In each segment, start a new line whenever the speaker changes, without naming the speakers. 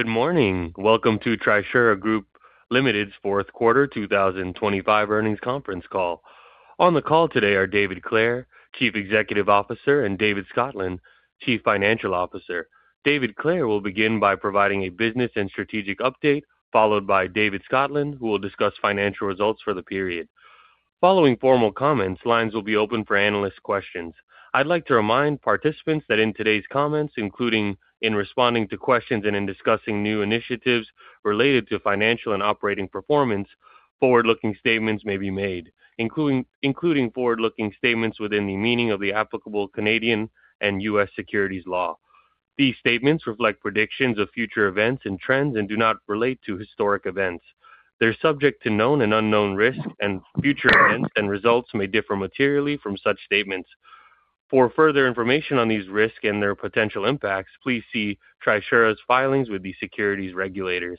Good morning. Welcome to Trisura Group Limited's fourth quarter 2025 earnings conference call. On the call today are David Clare, Chief Executive Officer, and David Scotland, Chief Financial Officer. David Clare will begin by providing a business and strategic update, followed by David Scotland, who will discuss financial results for the period. Following formal comments, lines will be open for analyst questions. I'd like to remind participants that in today's comments, including in responding to questions and in discussing new initiatives related to financial and operating performance, forward-looking statements may be made, including, including forward-looking statements within the meaning of the applicable Canadian and U.S. securities law. These statements reflect predictions of future events and trends and do not relate to historic events. They're subject to known and unknown risks, and future events and results may differ materially from such statements. For further information on these risks and their potential impacts, please see Trisura's filings with the securities regulators.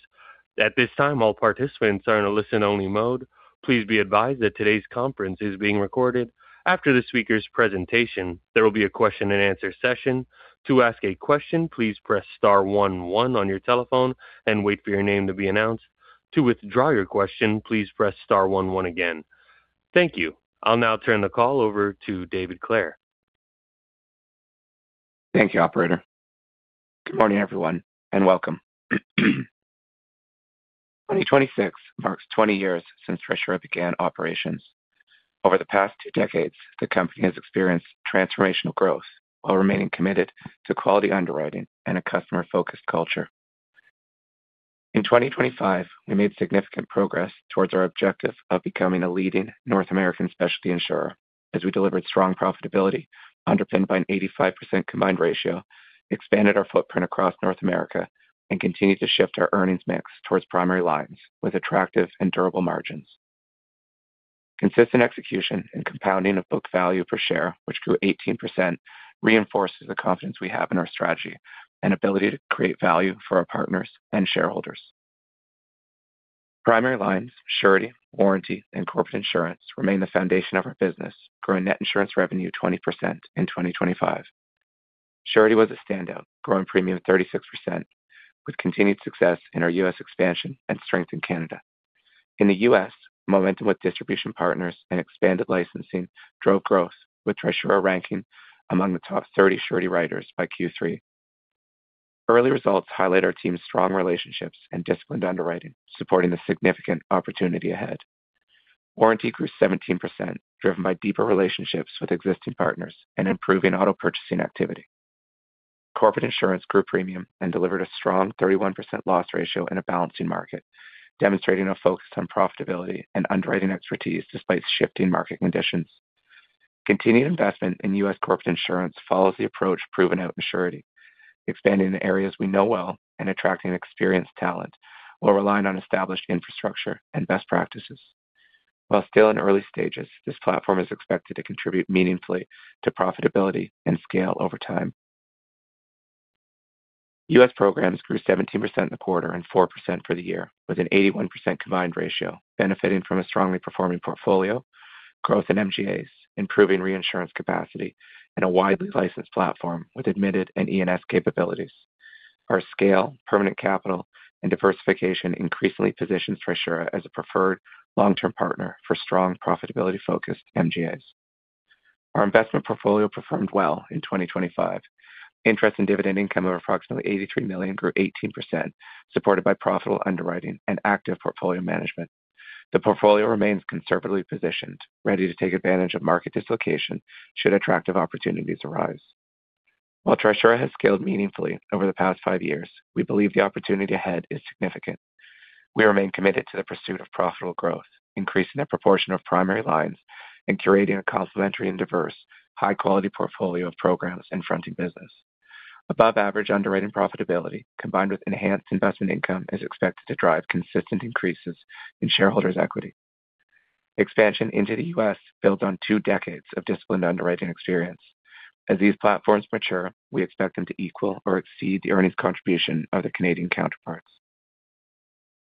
At this time, all participants are in a listen-only mode. Please be advised that today's conference is being recorded. After the speaker's presentation, there will be a question-and-answer session. To ask a question, please press star one one on your telephone and wait for your name to be announced. To withdraw your question, please press star one one again. Thank you. I'll now turn the call over to David Clare.
Thank you, operator. Good morning, everyone, and welcome. 2026 marks 20 years since Trisura began operations. Over the past two decades, the company has experienced transformational growth while remaining committed to quality underwriting and a customer-focused culture. In 2025, we made significant progress towards our objective of becoming a leading North American specialty insurer as we delivered strong profitability, underpinned by an 85% combined ratio, expanded our footprint across North America, and continued to shift our earnings mix towards primary lines with attractive and durable margins. Consistent execution and compounding of book value per share, which grew 18%, reinforces the confidence we have in our strategy and ability to create value for our partners and shareholders. Primary lines, Surety, Warranty, and Corporate Insurance remain the foundation of our business, growing net insurance revenue 20% in 2025. Surety was a standout, growing premium 36%, with continued success in our U.S. expansion and strength in Canada. In the U.S., momentum with distribution partners and expanded licensing drove growth, with Trisura ranking among the top 30 Surety writers by Q3. Early results highlight our team's strong relationships and disciplined underwriting, supporting the significant opportunity ahead. Warranty grew 17%, driven by deeper relationships with existing partners and improving auto purchasing activity. Corporate Insurance grew premium and delivered a strong 31% loss ratio in a balancing market, demonstrating a focus on profitability and underwriting expertise despite shifting market conditions. Continued investment in U.S. Corporate Insurance follows the approach proven out in Surety, expanding in areas we know well and attracting experienced talent while relying on established infrastructure and best practices. While still in early stages, this platform is expected to contribute meaningfully to profitability and scale over time. U.S. Programs grew 17% in the quarter and 4% for the year, with an 81% combined ratio benefiting from a strongly performing portfolio, growth in MGAs, improving reinsurance capacity, and a widely licensed platform with admitted and E&S capabilities. Our scale, permanent capital, and diversification increasingly positions Trisura as a preferred long-term partner for strong profitability-focused MGAs. Our investment portfolio performed well in 2025. Interest and dividend income of approximately 83 million grew 18%, supported by profitable underwriting and active portfolio management. The portfolio remains conservatively positioned, ready to take advantage of market dislocation should attractive opportunities arise. While Trisura has scaled meaningfully over the past five years, we believe the opportunity ahead is significant. We remain committed to the pursuit of profitable growth, increasing the proportion of primary lines, and curating a complementary and diverse, high-quality portfolio of programs and fronting business. Above average underwriting profitability, combined with enhanced investment income, is expected to drive consistent increases in shareholders' equity. Expansion into the U.S. builds on two decades of disciplined underwriting experience. As these platforms mature, we expect them to equal or exceed the earnings contribution of their Canadian counterparts.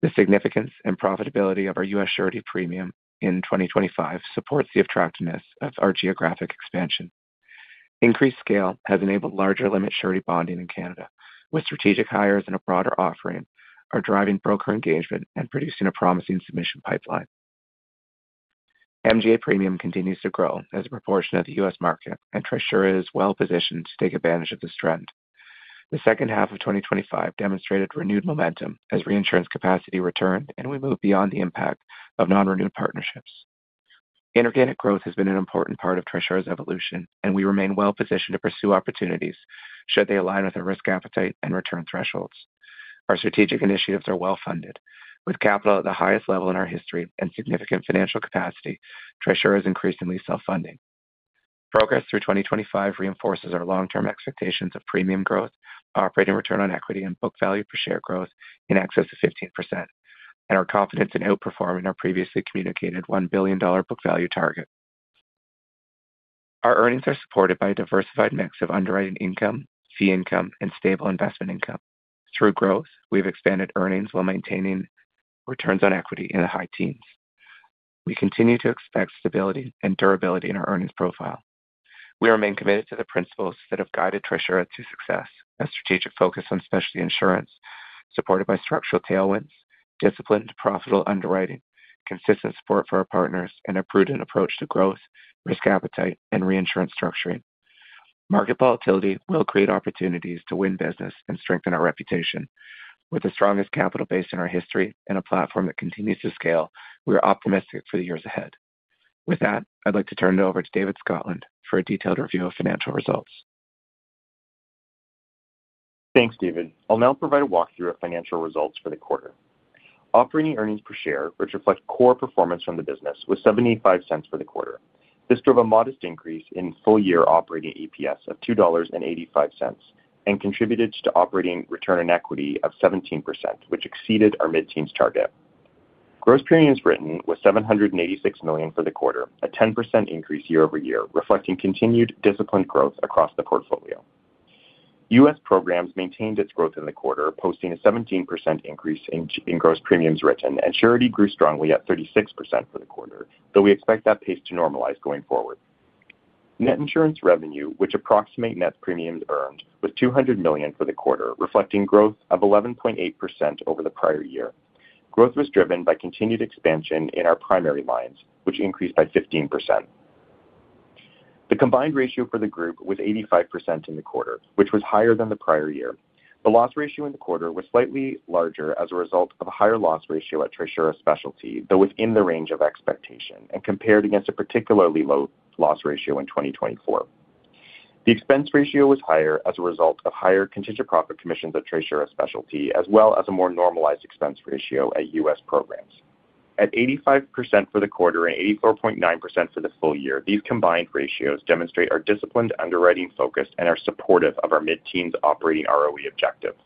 The significance and profitability of our U.S. Surety premium in 2025 supports the attractiveness of our geographic expansion. Increased scale has enabled larger limit Surety bonding in Canada. With strategic hires and a broader offering, are driving broker engagement and producing a promising submission pipeline. MGA premium continues to grow as a proportion of the U.S. market, and Trisura is well positioned to take advantage of this trend. The second half of 2025 demonstrated renewed momentum as reinsurance capacity returned, and we moved beyond the impact of non-renewed partnerships. Inorganic growth has been an important part of Trisura's evolution, and we remain well positioned to pursue opportunities should they align with our risk appetite and return thresholds. Our strategic initiatives are well-funded. With capital at the highest level in our history and significant financial capacity, Trisura is increasingly self-funding. Progress through 2025 reinforces our long-term expectations of premium growth, operating return on equity, and book value per share growth in excess of 15%, and our confidence in outperforming our previously communicated 1 billion dollar book value target. Our earnings are supported by a diversified mix of underwriting income, fee income, and stable investment income. Through growth, we've expanded earnings while maintaining returns on equity in the high teens... We continue to expect stability and durability in our earnings profile. We remain committed to the principles that have guided Trisura to success: a strategic focus on specialty insurance, supported by structural tailwinds, disciplined and profitable underwriting, consistent support for our partners, and a prudent approach to growth, risk appetite, and reinsurance structuring. Market volatility will create opportunities to win business and strengthen our reputation. With the strongest capital base in our history and a platform that continues to scale, we're optimistic for the years ahead. With that, I'd like to turn it over to David Scotland for a detailed review of financial results.
Thanks, David. I'll now provide a walkthrough of financial results for the quarter. Operating earnings per share, which reflect core performance from the business, was 0.75 for the quarter. This drove a modest increase in full-year operating EPS of 2.85 dollars and contributed to operating return on equity of 17%, which exceeded our mid-teens target. Gross premiums written was 786 million for the quarter, a 10% increase year-over-year, reflecting continued disciplined growth across the portfolio. U.S. Programs maintained its growth in the quarter, posting a 17% increase in gross premiums written, and Surety grew strongly at 36% for the quarter, though we expect that pace to normalize going forward. Net insurance revenue, which approximate net premiums earned, was 200 million for the quarter, reflecting growth of 11.8% over the prior year. Growth was driven by continued expansion in our primary lines, which increased by 15%. The combined ratio for the group was 85% in the quarter, which was higher than the prior year. The loss ratio in the quarter was slightly larger as a result of a higher loss ratio at Trisura Specialty, though within the range of expectation and compared against a particularly low loss ratio in 2024. The expense ratio was higher as a result of higher contingent profit commissions at Trisura Specialty, as well as a more normalized expense ratio at U.S. Programs. At 85% for the quarter and 84.9% for the full year, these combined ratios demonstrate our disciplined underwriting focus and are supportive of our mid-teens operating ROE objective.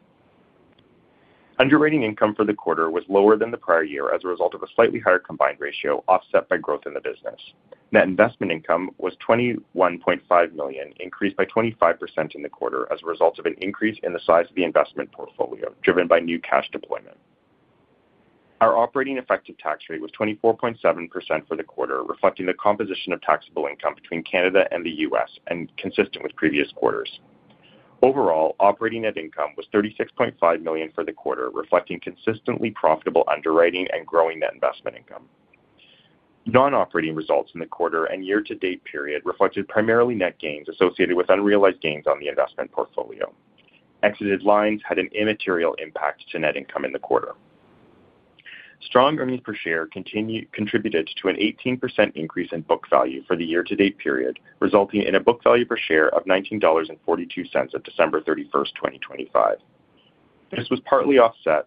Underwriting income for the quarter was lower than the prior year as a result of a slightly higher combined ratio, offset by growth in the business. Net investment income was 21.5 million, increased by 25% in the quarter as a result of an increase in the size of the investment portfolio, driven by new cash deployment. Our operating effective tax rate was 24.7% for the quarter, reflecting the composition of taxable income between Canada and the U.S. and consistent with previous quarters. Overall, operating net income was 36.5 million for the quarter, reflecting consistently profitable underwriting and growing net investment income. Non-operating results in the quarter and year-to-date period reflected primarily net gains associated with unrealized gains on the investment portfolio. Exited lines had an immaterial impact to net income in the quarter. Strong earnings per share contributed to an 18% increase in book value for the year-to-date period, resulting in a book value per share of 19.42 dollars at December 31, 2025. This was partly offset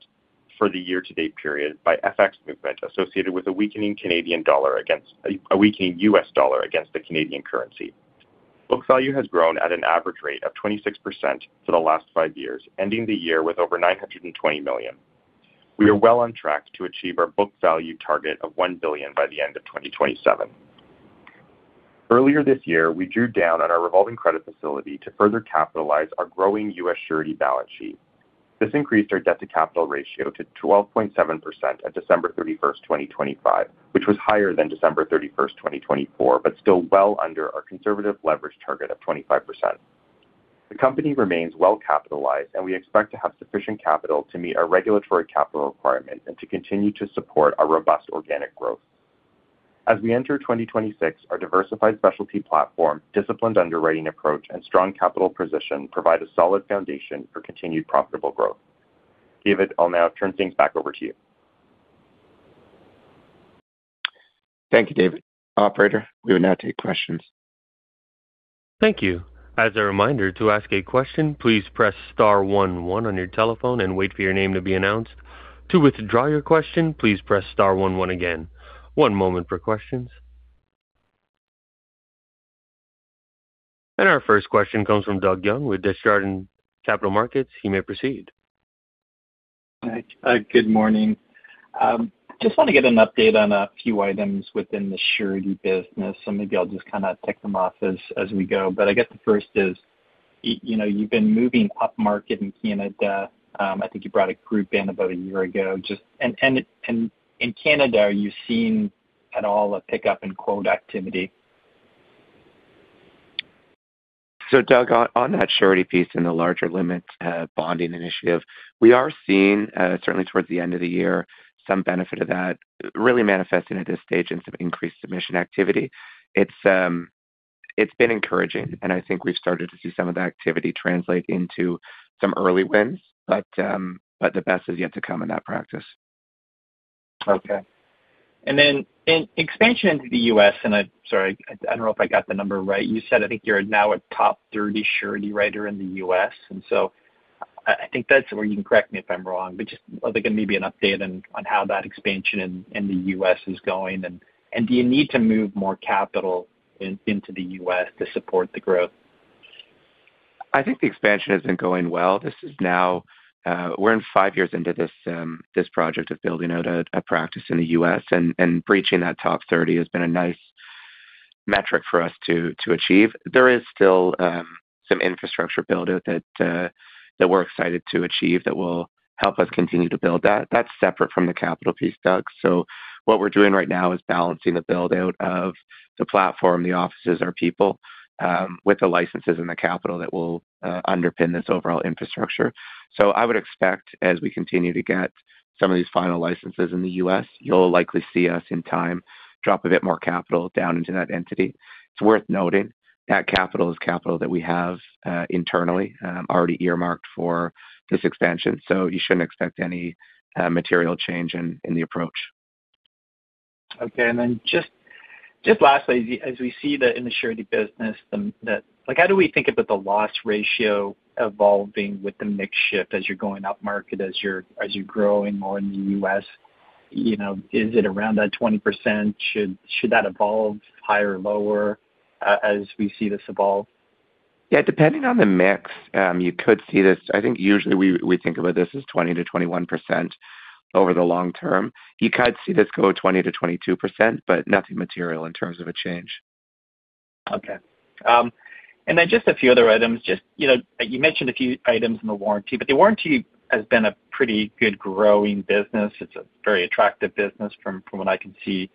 for the year-to-date period by FX movement associated with a weakening Canadian dollar against a weakening US dollar against the Canadian currency. Book value has grown at an average rate of 26% for the last five years, ending the year with over 920 million. We are well on track to achieve our book value target of 1 billion by the end of 2027. Earlier this year, we drew down on our revolving credit facility to further capitalize our growing US Surety balance sheet. This increased our debt-to-capital ratio to 12.7% at December 31, 2025, which was higher than December 31, 2024, but still well under our conservative leverage target of 25%. The company remains well capitalized, and we expect to have sufficient capital to meet our regulatory capital requirement and to continue to support our robust organic growth. As we enter 2026, our diversified specialty platform, disciplined underwriting approach, and strong capital position provide a solid foundation for continued profitable growth. David, I'll now turn things back over to you.
Thank you, David. Operator, we will now take questions.
Thank you. As a reminder, to ask a question, please press star one one on your telephone and wait for your name to be announced. To withdraw your question, please press star one one again. One moment for questions. Our first question comes from Doug Young with Desjardins Capital Markets. He may proceed.
Hi. Good morning. Just want to get an update on a few items within the Surety business, so maybe I'll just kind of tick them off as we go. But I guess the first is, you know, you've been moving upmarket in Canada. I think you brought a group in about a year ago. And in Canada, are you seeing at all a pickup in quote activity?
So, Doug, on that Surety piece in the larger limit bonding initiative, we are seeing certainly towards the end of the year some benefit of that really manifesting at this stage in some increased submission activity. It's been encouraging, and I think we've started to see some of the activity translate into some early wins, but the best is yet to come in that practice.
Okay. And then in expansion into the U.S., and sorry, I don't know if I got the number right. You said, I think you're now a top 30 Surety writer in the U.S., and so I think that's where you can correct me if I'm wrong. But just, I was thinking maybe an update on how that expansion in the U.S. is going, and do you need to move more capital into the U.S. to support the growth?
I think the expansion has been going well. This is now, we're in five years into this, this project of building out a, a practice in the U.S. and, and reaching that top 30 has been a nice metric for us to, to achieve. There is still, some infrastructure build-out that, that we're excited to achieve that will help us continue to build that. That's separate from the capital piece, Doug. So what we're doing right now is balancing the build-out of the platform, the offices, our people, with the licenses and the capital that will underpin this overall infrastructure. So I would expect, as we continue to get some of these final licenses in the U.S., you'll likely see us in time drop a bit more capital down into that entity. It's worth noting that capital is capital that we have internally already earmarked for this expansion, so you shouldn't expect any material change in the approach.
Okay, and then just lastly, as we see the insurance business, the—like, how do we think about the loss ratio evolving with the mix shift as you're going upmarket, as you're growing more in the U.S.? You know, is it around that 20%? Should that evolve higher or lower as we see this evolve?
Yeah, depending on the mix, you could see this—I think usually we, we think about this as 20%-21% over the long term. You could see this go 20%-22%, but nothing material in terms of a change.
Okay. And then just a few other items. Just, you know, you mentioned a few items in the Warranty, but the Warranty has been a pretty good growing business. It's a very attractive business from what I can see.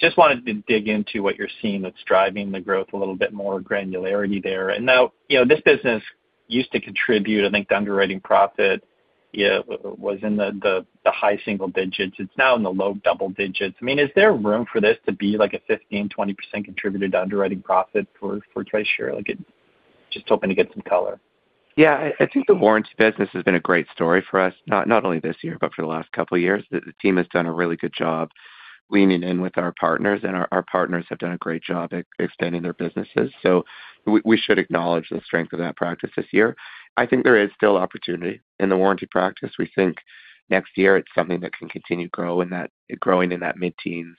Just wanted to dig into what you're seeing that's driving the growth, a little bit more granularity there. And now, you know, this business used to contribute, I think, to the underwriting profit. Yeah, it was in the high single digits. It's now in the low double digits. I mean, is there room for this to be, like, a 15, 20% contributor to underwriting profit for Trisura? Like, just hoping to get some color.
Yeah. I think the Warranty business has been a great story for us, not only this year, but for the last couple of years. The team has done a really good job leaning in with our partners, and our partners have done a great job at expanding their businesses. So we should acknowledge the strength of that practice this year. I think there is still opportunity in the Warranty practice. We think next year it's something that can continue to grow in that mid-teens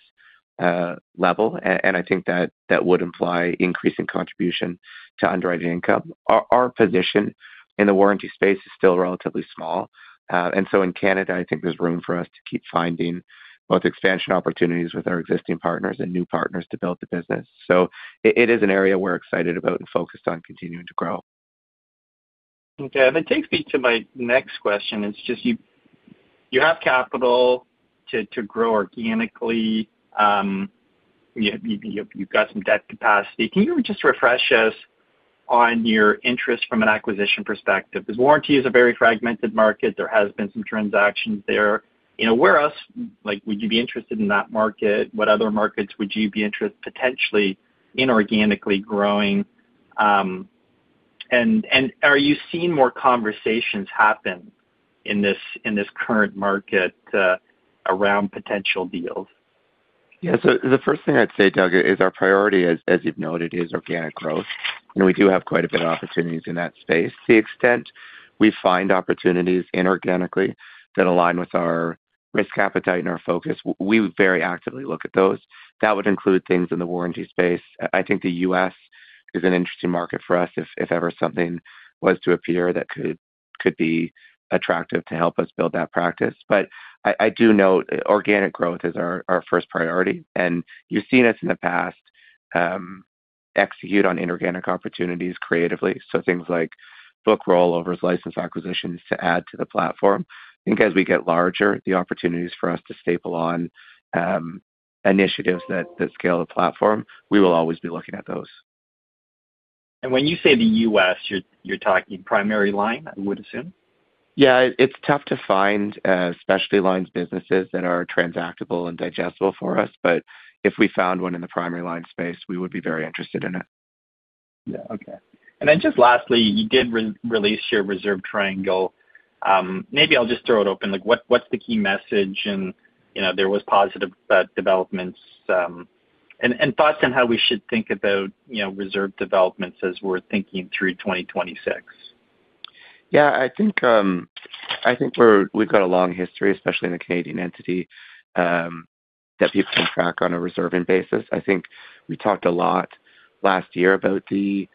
level. And I think that would imply increasing contribution to underwriting income. Our position in the Warranty space is still relatively small. And so in Canada, I think there's room for us to keep finding both expansion opportunities with our existing partners and new partners to build the business. So it is an area we're excited about and focused on continuing to grow.
Okay. That takes me to my next question. It's just you have capital to grow organically. You have some debt capacity. Can you just refresh us on your interest from an acquisition perspective? Because Warranty is a very fragmented market. There has been some transactions there. You know, where else—like, would you be interested in that market? What other markets would you be interested, potentially inorganically growing? And are you seeing more conversations happen in this current market around potential deals?
Yeah. So the first thing I'd say, Doug, is our priority, as you've noted, is organic growth, and we do have quite a bit of opportunities in that space. The extent we find opportunities inorganically that align with our risk appetite and our focus, we very actively look at those. That would include things in the Warranty space. I think the U.S. is an interesting market for us, if ever something was to appear that could be attractive to help us build that practice. But I do know organic growth is our first priority, and you've seen us in the past, execute on inorganic opportunities creatively. So things like book rollovers, license acquisitions to add to the platform. I think as we get larger, the opportunities for us to staple on initiatives that scale the platform, we will always be looking at those.
When you say the US, you're talking primary line, I would assume?
Yeah. It's tough to find, specialty lines businesses that are transactable and digestible for us, but if we found one in the primary line space, we would be very interested in it.
Yeah. Okay. And then just lastly, you did re-release your reserve triangle. Maybe I'll just throw it open. Like, what, what's the key message? And, you know, there was positive developments, and thoughts on how we should think about, you know, reserve developments as we're thinking through 2026.
Yeah, I think we've got a long history, especially in the Canadian entity, that people can track on a reserving basis. I think we talked a lot last year about the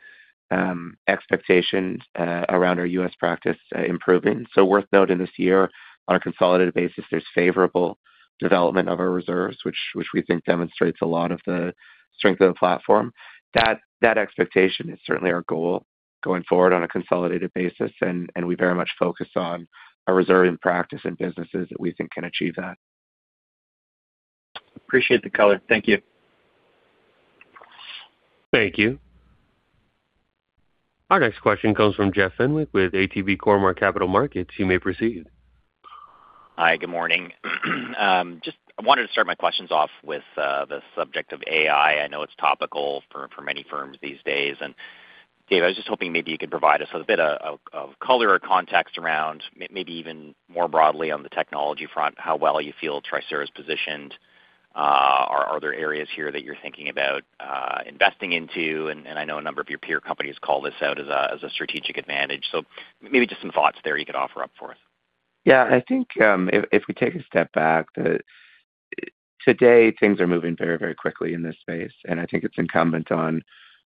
expectations around our U.S. practice improving. So worth noting this year, on a consolidated basis, there's favorable development of our reserves, which we think demonstrates a lot of the strength of the platform. That expectation is certainly our goal going forward on a consolidated basis, and we very much focus on our reserving practice and businesses that we think can achieve that.
Appreciate the color. Thank you.
Thank you. Our next question comes from Jeff Fenwick with ATB Cormark Capital Markets. You may proceed.
Hi, good morning. Just I wanted to start my questions off with the subject of AI. I know it's topical for many firms these days. And Dave, I was just hoping maybe you could provide us with a bit of color or context around maybe even more broadly on the technology front, how well you feel Trisura is positioned. Are there areas here that you're thinking about investing into? And I know a number of your peer companies call this out as a strategic advantage. So maybe just some thoughts there you could offer up for us.
Yeah. I think, if, if we take a step back, that today things are moving very, very quickly in this space, and I think it's incumbent on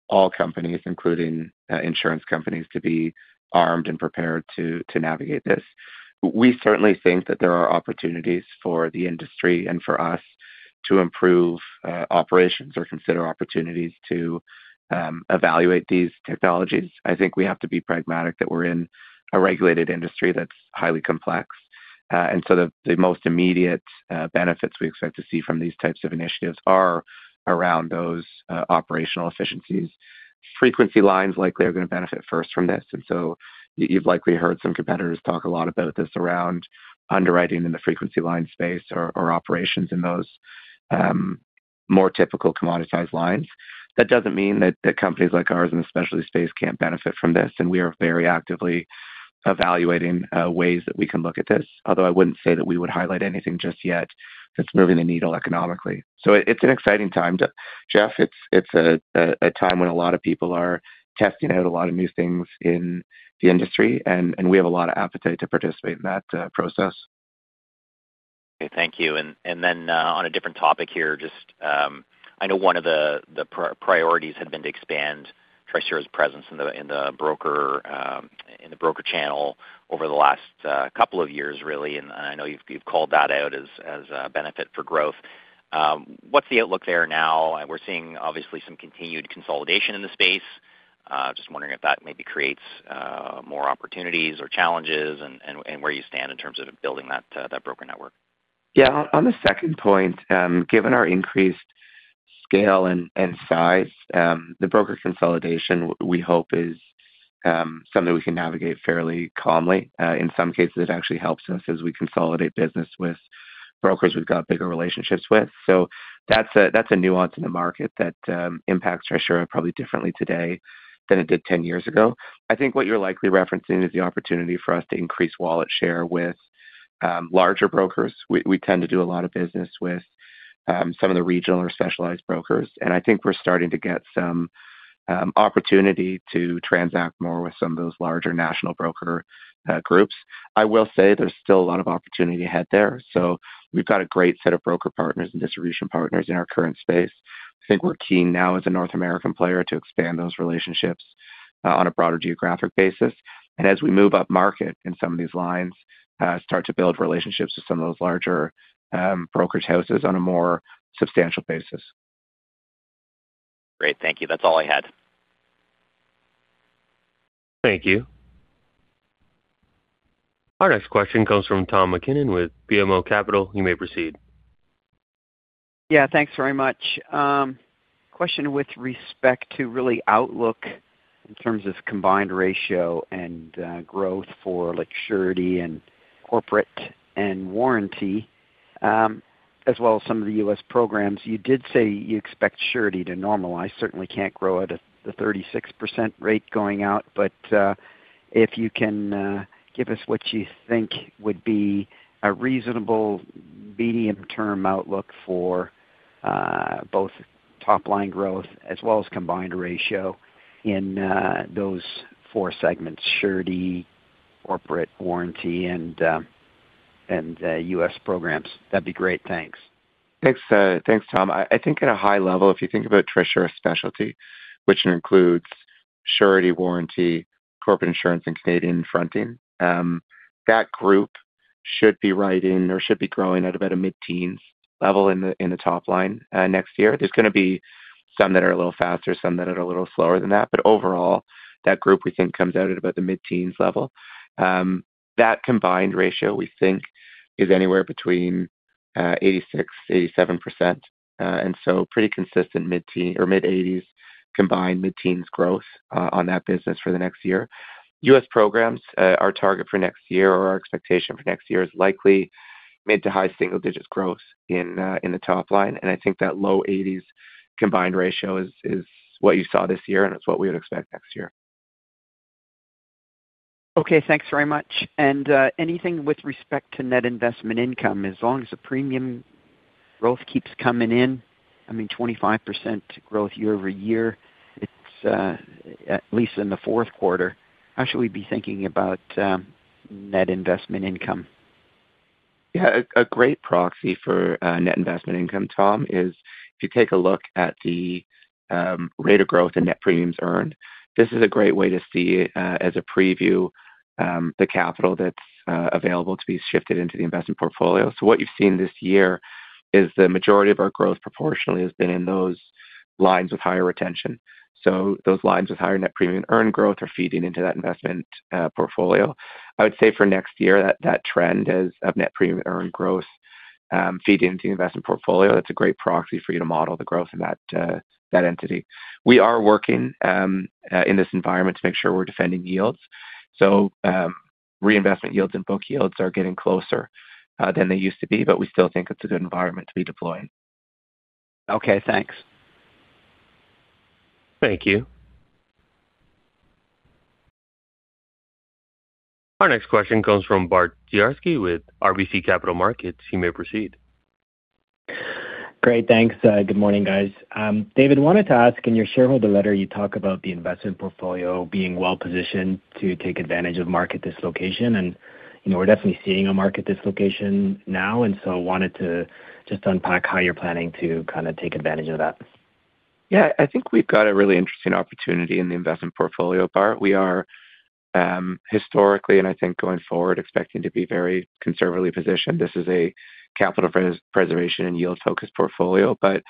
all companies, including insurance companies, to be armed and prepared to, to navigate this. We certainly think that there are opportunities for the industry and for us to improve operations or consider opportunities to evaluate these technologies. I think we have to be pragmatic that we're in a regulated industry that's highly complex. And so the, the most immediate benefits we expect to see from these types of initiatives are around those operational efficiencies. Frequency lines likely are going to benefit first from this, and so you've likely heard some competitors talk a lot about this around underwriting in the frequency line space or, or operations in those more typical commoditized lines. That doesn't mean that the companies like ours in the specialty space can't benefit from this, and we are very actively evaluating ways that we can look at this. Although I wouldn't say that we would highlight anything just yet that's moving the needle economically. So it's an exciting time to-- Jeff, it's, it's a, a time when a lot of people are testing out a lot of new things in the industry, and, and we have a lot of appetite to participate in that process.
Okay. Thank you. And then, on a different topic here, just, I know one of the priorities had been to expand Trisura's presence in the broker channel over the last couple of years, really, and I know you've called that out as a benefit for growth. What's the outlook there now? We're seeing, obviously, some continued consolidation in the space. Just wondering if that maybe creates more opportunities or challenges and where you stand in terms of building that broker network.
Yeah. On the second point, given our increased scale and size, the broker consolidation, we hope, is something we can navigate fairly calmly. In some cases, it actually helps us as we consolidate business with brokers we've got bigger relationships with. So that's a nuance in the market that impacts Trisura probably differently today than it did 10 years ago. I think what you're likely referencing is the opportunity for us to increase wallet share with larger brokers. We tend to do a lot of business with some of the regional or specialized brokers, and I think we're starting to get some opportunity to transact more with some of those larger national broker groups. I will say there's still a lot of opportunity ahead there. So we've got a great set of broker partners and distribution partners in our current space. I think we're keen now as a North American player, to expand those relationships, on a broader geographic basis, and as we move up market in some of these lines, start to build relationships with some of those larger, brokerage houses on a more substantial basis.
Great. Thank you. That's all I had.
Thank you. Our next question comes from Tom McKinnon with BMO Capital. You may proceed.
Yeah, thanks very much. Question with respect to really outlook in terms of combined ratio and growth for, like, Surety and corporate and Warranty, as well as some of the U.S. programs. You did say you expect Surety to normalize. Certainly can't grow at the 36% rate going out, but if you can give us what you think would be a reasonable medium-term outlook for both top line growth as well as combined ratio in those four segments: Surety, corporate, Warranty, and U.S. programs. That'd be great. Thanks.
Thanks, thanks, Tom. I think at a high level, if you think about Trisura Specialty, which includes Surety, Warranty, Corporate Insurance, and Canadian Fronting, that group should be right in or should be growing at about a mid-teens level in the top line next year. There's going to be some that are a little faster, some that are a little slower than that. But overall, that group, we think, comes out at about the mid-teens level. That combined ratio, we think, is anywhere between 86%-87%, and so pretty consistent mid-teens or mid-eighties combined, mid-teens growth on that business for the next year. U.S. programs, our target for next year or our expectation for next year is likely mid- to high-single-digits growth in the top line. I think that low 80s combined ratio is what you saw this year, and it's what we would expect next year.
Okay, thanks very much. And anything with respect to net investment income, as long as the premium growth keeps coming in, I mean, 25% growth year-over-year, it's at least in the fourth quarter. How should we be thinking about net investment income?
Yeah. A great proxy for net investment income, Tom, is if you take a look at the rate of growth in net premiums earned. This is a great way to see, as a preview, the capital that's available to be shifted into the investment portfolio. So what you've seen this year is the majority of our growth proportionally has been in those lines of higher retention. So those lines with higher net premium earned growth are feeding into that investment portfolio. I would say for next year, that trend is of net premium earned growth feed into the investment portfolio. That's a great proxy for you to model the growth in that entity. We are working in this environment to make sure we're defending yields. So, reinvestment yields and book yields are getting closer than they used to be, but we still think it's a good environment to be deploying.
Okay, thanks.
Thank you. Our next question comes from Bart Jarski with RBC Capital Markets. You may proceed.
Great, thanks. Good morning, guys. David, wanted to ask, in your shareholder letter, you talk about the investment portfolio being well positioned to take advantage of market dislocation, and, you know, we're definitely seeing a market dislocation now, and so wanted to just unpack how you're planning to kind of take advantage of that....
Yeah, I think we've got a really interesting opportunity in the investment portfolio, Bart. We are historically, and I think going forward, expecting to be very conservatively positioned. This is a capital preservation and yield-focused portfolio. But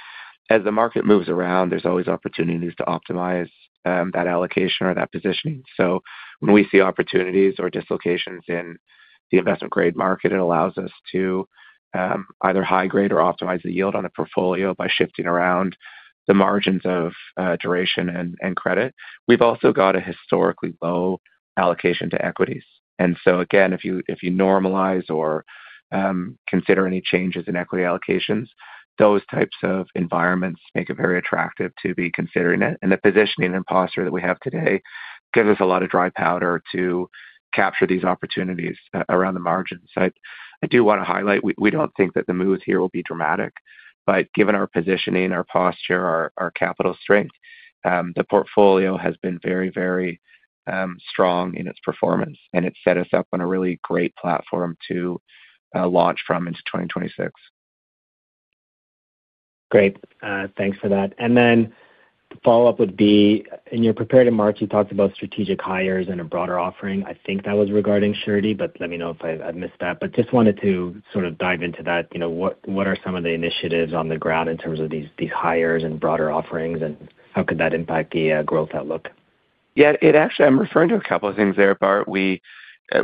as the market moves around, there's always opportunities to optimize that allocation or that positioning. So when we see opportunities or dislocations in the investment-grade market, it allows us to either high grade or optimize the yield on a portfolio by shifting around the margins of duration and credit. We've also got a historically low allocation to equities. And so again, if you normalize or consider any changes in equity allocations, those types of environments make it very attractive to be considering it. The positioning and posture that we have today gives us a lot of dry powder to capture these opportunities around the margins. I do want to highlight, we don't think that the moves here will be dramatic, but given our positioning, our posture, our capital strength, the portfolio has been very, very strong in its performance, and it set us up on a really great platform to launch from into 2026.
Great. Thanks for that. Then the follow-up would be: In your prepared remarks, you talked about strategic hires and a broader offering. I think that was regarding Surety, but let me know if I've missed that. Just wanted to sort of dive into that. You know, what are some of the initiatives on the ground in terms of these hires and broader offerings, and how could that impact the growth outlook?
Yeah, it actually... I'm referring to a couple of things there, Bart. We,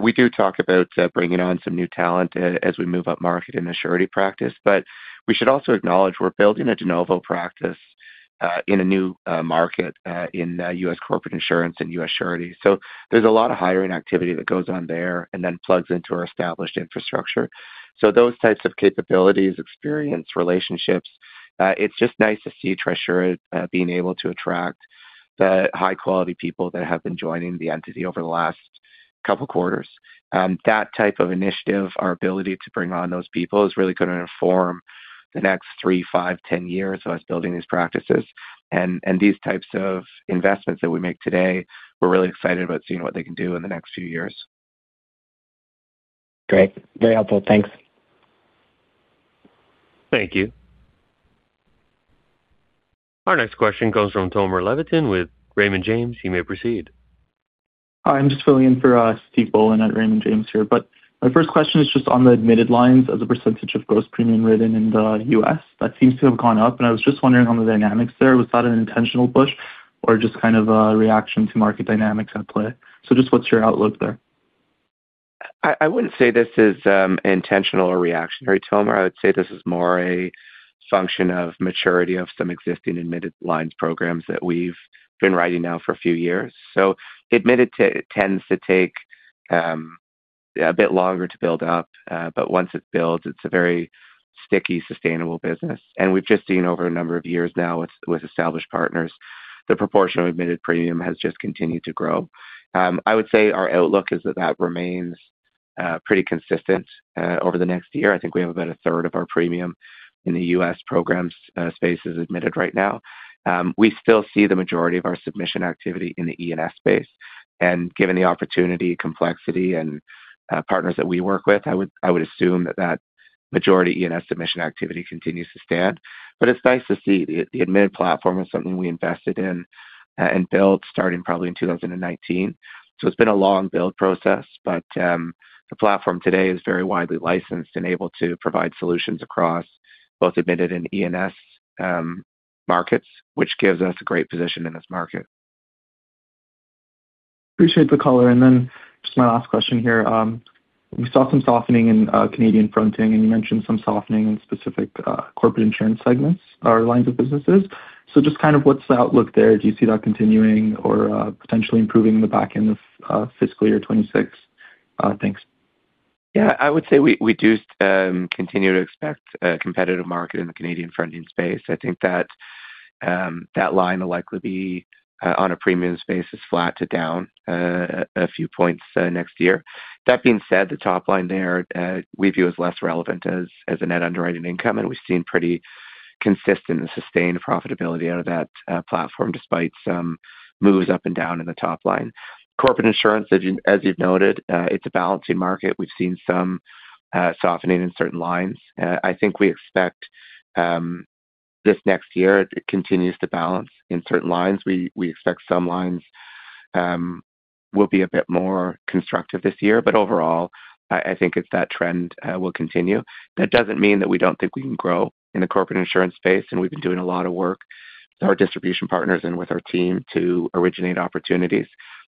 we do talk about bringing on some new talent as we move up market in the Surety practice, but we should also acknowledge we're building a de novo practice in a new market in U.S. Corporate Insurance and U.S. Surety. So there's a lot of hiring activity that goes on there and then plugs into our established infrastructure. So those types of capabilities, experience, relationships, it's just nice to see Trisura being able to attract the high-quality people that have been joining the entity over the last couple quarters. That type of initiative, our ability to bring on those people, is really going to inform the next three, five, 10 years as building these practices. These types of investments that we make today, we're really excited about seeing what they can do in the next few years.
Great. Very helpful. Thanks.
Thank you. Our next question comes from Tomer Levitin with Raymond James. You may proceed.
Hi, I'm just filling in for Steve Boland at Raymond James here. My first question is just on the admitted lines as a percentage of gross premium written in the U.S. That seems to have gone up, and I was just wondering on the dynamics there, was that an intentional push or just kind of a reaction to market dynamics at play? Just what's your outlook there?
I wouldn't say this is intentional or reactionary, Tomer. I would say this is more a function of maturity of some existing admitted lines programs that we've been writing now for a few years. So admitted to tends to take a bit longer to build up, but once it builds, it's a very sticky, sustainable business. And we've just seen over a number of years now with established partners, the proportion of admitted premium has just continued to grow. I would say our outlook is that that remains pretty consistent over the next year. I think we have about a third of our premium in the U.S. programs spaces admitted right now. We still see the majority of our submission activity in the E&S space, and given the opportunity, complexity, and partners that we work with, I would assume that that majority E&S submission activity continues to stand. But it's nice to see. The admitted platform is something we invested in and built starting probably in 2019. So it's been a long build process, but the platform today is very widely licensed and able to provide solutions across both admitted and E&S markets, which gives us a great position in this market.
Appreciate the color. And then just my last question here. We saw some softening in Canadian Fronting, and you mentioned some softening in specific Corporate Insurance segments or lines of businesses. So just kind of what's the outlook there? Do you see that continuing or potentially improving in the back end of fiscal year 2026? Thanks.
Yeah. I would say we, we do continue to expect a competitive market in the Canadian Fronting space. I think that that line will likely be on a premium basis is flat to down a few points next year. That being said, the top line there we view as less relevant than net underwriting income, and we've seen pretty consistent and sustained profitability out of that platform, despite some moves up and down in the top line. Corporate Insurance, as you've noted, it's a balancing market. We've seen some softening in certain lines. I think we expect this next year it continues to balance in certain lines. We, we expect some lines will be a bit more constructive this year, but overall, I, I think it's that trend will continue. That doesn't mean that we don't think we can grow in the Corporate Insurance space, and we've been doing a lot of work with our distribution partners and with our team to originate opportunities,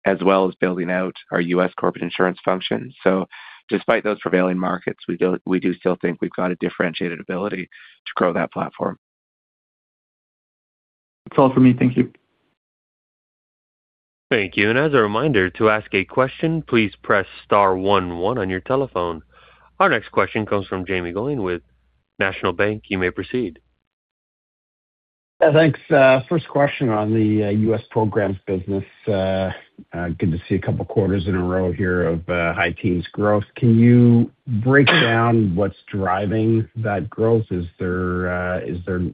as well as building out our U.S. Corporate Insurance function. So despite those prevailing markets, we do, we do still think we've got a differentiated ability to grow that platform.
That's all for me. Thank you.
Thank you. As a reminder, to ask a question, please press star one one on your telephone. Our next question comes from Jaeme Gloyn with National Bank. You may proceed.
Yeah, thanks. First question on the U.S. programs business. Good to see a couple of quarters in a row here of high teens growth. Can you break down what's driving that growth? Is there,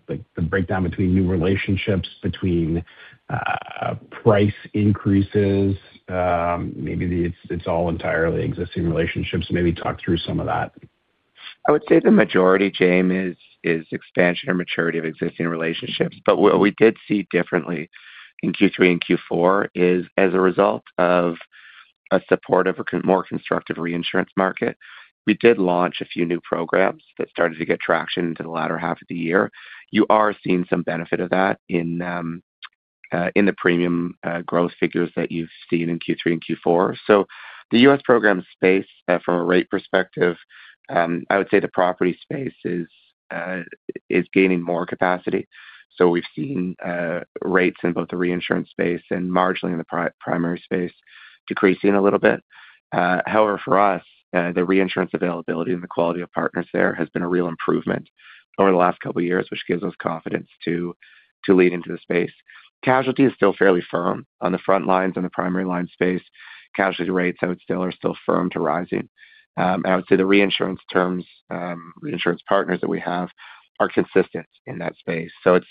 like, the breakdown between new relationships, between price increases? Maybe it's all entirely existing relationships. Maybe talk through some of that....
I would say the majority, James, is expansion or maturity of existing relationships. But what we did see differently in Q3 and Q4 is as a result of a supportive or more constructive reinsurance market, we did launch a few new programs that started to get traction into the latter half of the year. You are seeing some benefit of that in the premium growth figures that you've seen in Q3 and Q4. So the US program space, from a rate perspective, I would say the property space is gaining more capacity. So we've seen rates in both the reinsurance space and marginally in the primary space decreasing a little bit. However, for us, the reinsurance availability and the quality of partners there has been a real improvement over the last couple of years, which gives us confidence to lead into the space. Casualty is still fairly firm on the front lines. In the primary line space, casualty rates I would say are still firm to rising. I would say the reinsurance terms, reinsurance partners that we have are consistent in that space. So it's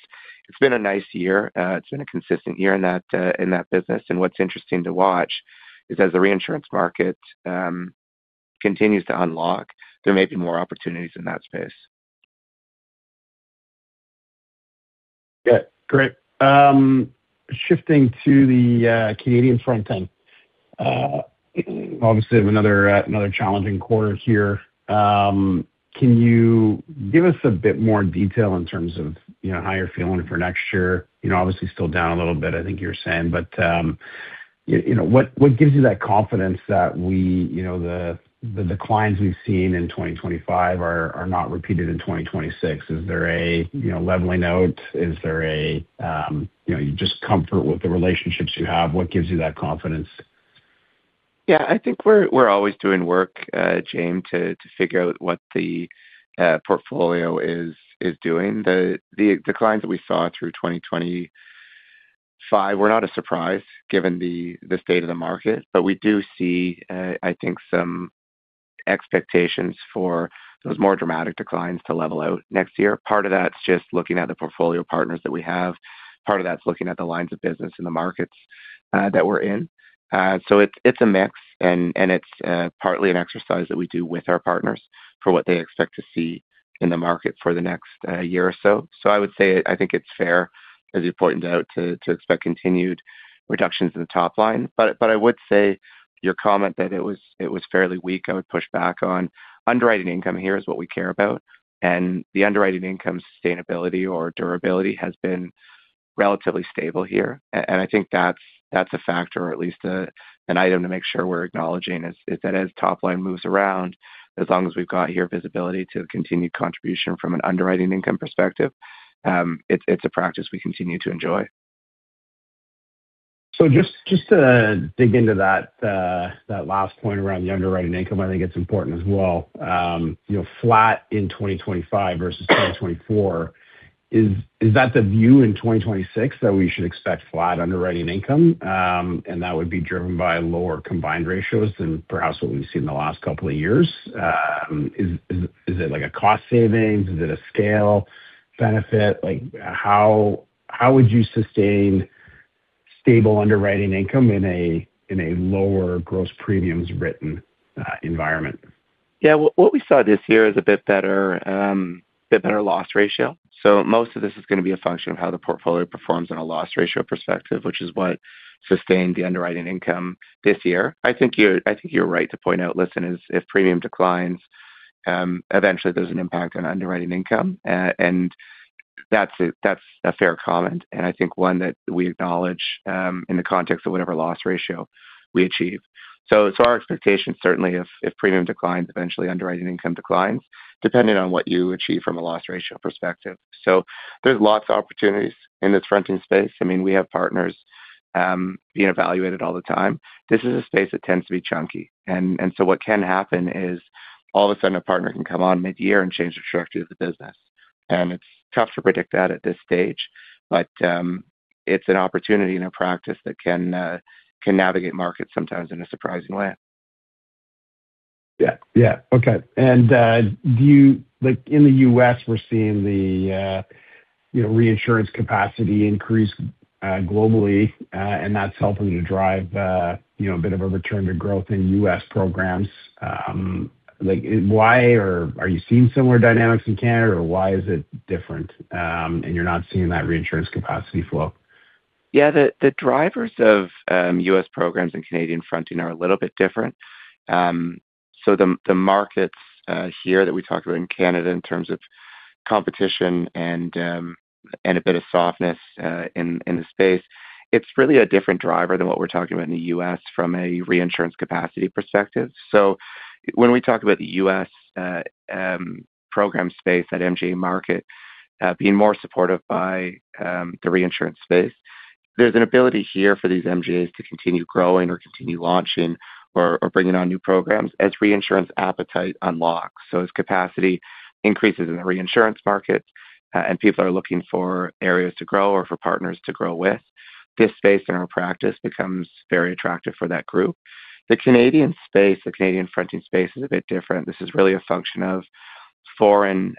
been a nice year. It's been a consistent year in that business. And what's interesting to watch is as the reinsurance market continues to unlock, there may be more opportunities in that space.
Yeah, great. Shifting to the Canadian Fronting. Obviously, have another another challenging quarter here. Can you give us a bit more detail in terms of, you know, how you're feeling for next year? You know, obviously still down a little bit, I think you're saying. But, you know, what gives you that confidence that you know, the declines we've seen in 2025 are not repeated in 2026? Is there a, you know, leveling out? Is there a, you know, just comfort with the relationships you have? What gives you that confidence?
Yeah, I think we're always doing work, James, to figure out what the portfolio is doing. The declines that we saw through 2025 were not a surprise given the state of the market, but we do see, I think some expectations for those more dramatic declines to level out next year. Part of that's just looking at the portfolio partners that we have. Part of that's looking at the lines of business in the markets that we're in. So it's a mix, and it's partly an exercise that we do with our partners for what they expect to see in the market for the next year or so. So I would say I think it's fair, as you pointed out, to expect continued reductions in the top line. But I would say your comment that it was fairly weak, I would push back on. Underwriting income here is what we care about, and the underwriting income sustainability or durability has been relatively stable here. And I think that's a factor, or at least an item to make sure we're acknowledging, is that as top line moves around, as long as we've got here visibility to a continued contribution from an underwriting income perspective, it's a practice we continue to enjoy.
So just to dig into that, that last point around the underwriting income, I think it's important as well. You know, flat in 2025 versus 2024, is that the view in 2026, that we should expect flat underwriting income, and that would be driven by lower combined ratios than perhaps what we've seen in the last couple of years? Is it like a cost savings? Is it a scale benefit? Like how would you sustain stable underwriting income in a lower gross premiums written environment?
Yeah. Well, what we saw this year is a bit better, a bit better loss ratio. So most of this is gonna be a function of how the portfolio performs in a loss ratio perspective, which is what sustained the underwriting income this year. I think you're right to point out, listen, if premium declines, eventually there's an impact on underwriting income. And that's a fair comment, and I think one that we acknowledge, in the context of whatever loss ratio we achieve. So our expectation, certainly if premium declines, eventually underwriting income declines, depending on what you achieve from a loss ratio perspective. So there's lots of opportunities in this fronting space. I mean, we have partners being evaluated all the time. This is a space that tends to be chunky. So what can happen is, all of a sudden, a partner can come on midyear and change the structure of the business, and it's tough to predict that at this stage. It's an opportunity in a practice that can navigate markets sometimes in a surprising way.
Yeah. Yeah. Okay. And, do you—like in the U.S., we're seeing the, you know, reinsurance capacity increase, globally, and that's helping to drive, you know, a bit of a return to growth in U.S. programs. Like, why—or are you seeing similar dynamics in Canada, or why is it different, and you're not seeing that reinsurance capacity flow?
Yeah, the drivers of U.S. programs and Canadian fronting are a little bit different. So the markets here that we talked about in Canada in terms of competition and a bit of softness in the space, it's really a different driver than what we're talking about in the U.S. from a reinsurance capacity perspective. So when we talk about the U.S. program space at MGA market being more supportive by the reinsurance space, there's an ability here for these MGAs to continue growing or continue launching or bringing on new programs as reinsurance appetite unlocks. So as capacity increases in the reinsurance market and people are looking for areas to grow or for partners to grow with, this space in our practice becomes very attractive for that group. The Canadian space, the Canadian Fronting space, is a bit different. This is really a function of foreign,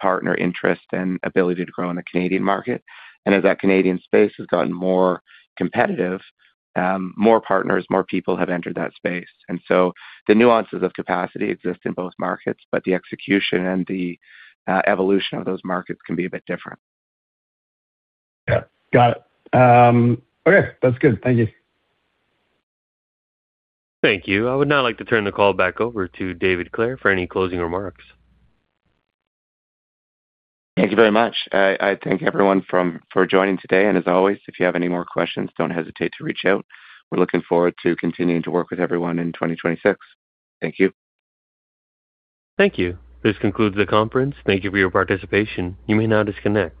partner interest and ability to grow in the Canadian market. And as that Canadian space has gotten more competitive, more partners, more people have entered that space. And so the nuances of capacity exist in both markets, but the execution and the evolution of those markets can be a bit different.
Yeah, got it. Okay, that's good. Thank you.
Thank you. I would now like to turn the call back over to David Clare for any closing remarks.
Thank you very much. I thank everyone for joining today. As always, if you have any more questions, don't hesitate to reach out. We're looking forward to continuing to work with everyone in 2026. Thank you.
Thank you. This concludes the conference. Thank you for your participation. You may now disconnect.